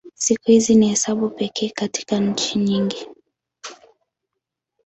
Siku hizi ni hesabu pekee katika nchi nyingi.